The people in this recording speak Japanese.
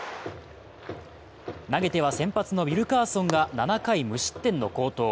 投げては、先発のウィルカーソンが７回無失点の好投。